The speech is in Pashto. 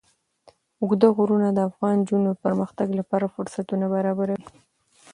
اوږده غرونه د افغان نجونو د پرمختګ لپاره فرصتونه برابروي.